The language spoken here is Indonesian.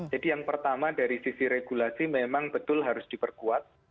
jadi yang pertama dari sisi regulasi memang betul harus diperkuat